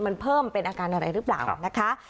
มันเพิ่มเป็นอาการอะไรหรือเปล่านะคะ